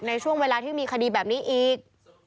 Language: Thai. ในช่วงเวลาที่มีคดีแบบนี้อีก